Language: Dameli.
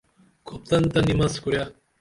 کُھپتن تہ نِمس کُرے